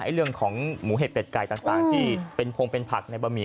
เรื่องของหมูเห็ดเป็ดไก่ต่างที่เป็นพงเป็นผักในบะหมี่